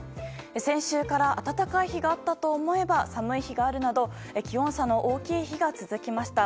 先週から暖かい日があったと思えば寒い日があるなど気温差の大きい日が続きました。